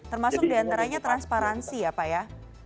termasuk diantaranya transparansi ya pak ya